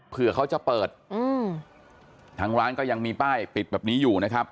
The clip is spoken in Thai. เผื่อเขาจะเปิดอืมทางร้านก็ยังมีป้ายปิดแบบนี้อยู่นะครับ